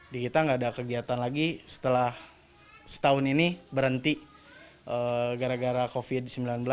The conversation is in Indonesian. di kita nggak ada kegiatan lagi setelah setahun ini berhenti gara gara covid sembilan belas